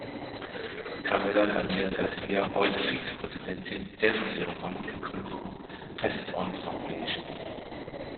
Carmella Danielle Garcia heute Vizepräsidentin der von ihrem Mann gegründeten Pass It On Foundation.